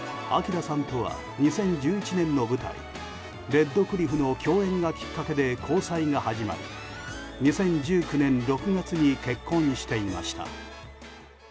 ＡＫＩＲＡさんとは２０１１年の舞台「レッドクリフ」の共演がきっかけで交際が始まり２０１９年６月に結婚していました。